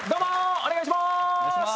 お願いします。